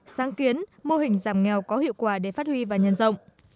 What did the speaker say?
sáng kiến mô hình giảm nghèo có hiệu quả để phát huy và nhân rộng